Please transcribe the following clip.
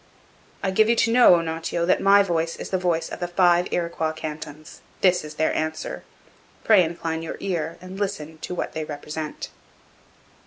'I give you to know, Onontio, that my voice is the voice of the five Iroquois cantons. This is their answer. Pray incline your ear and listen to what they represent.